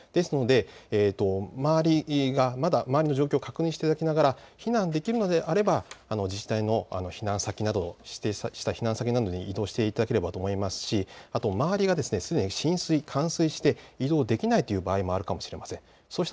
ですので周りの状況を確認していただきながら避難できるのであれば自治体の指定した避難先などに行っていただければと思いますし周りがすでに浸水、冠水して移動できない場合もあると思います。